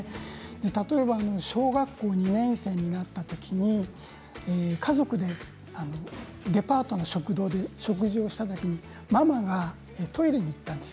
例えば小学校２年生になったときに家族でデパートの食堂で食事をしたときママがトイレに行ったんです。